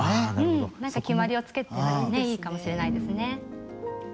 何か決まりをつけてもいいかもしれないですね。